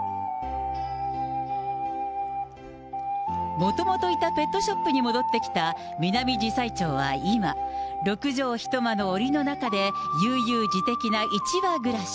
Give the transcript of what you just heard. もともといたペットショップに戻ってきたミナミジサイチョウは今、６畳１間のおりの中で、悠々自適な１羽暮らし。